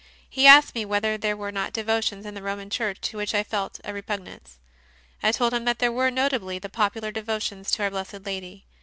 He asked me whether there were not devotions in the Roman Church to which I felt a repugnance. I told him that there were notably the popular devotions to Our Blessed Lady.